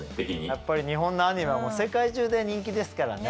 やはり日本のアニメは世界中で人気ですからね。